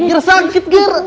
ngeresan gitu ger